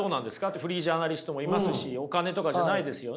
フリージャーナリストもいますしお金とかじゃないですよね？